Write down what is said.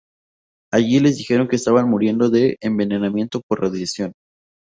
Allí les dijeron que estaban muriendo de envenenamiento por radiación.